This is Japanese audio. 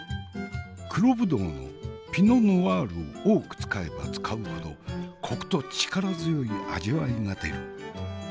黒ぶどうのピノ・ノワールを多く使えば使うほどコクと力強い味わいが出る。